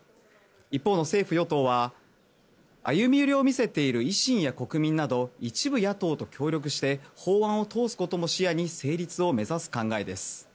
一方の政府・与党は歩み寄りを見せている維新や国民など一部野党と協力して法案を通すことも視野に成立を目指す考えです。